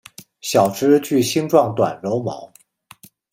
小枝具星状短柔毛。